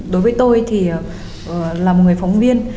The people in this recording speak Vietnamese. đối với tôi thì là một người phóng viên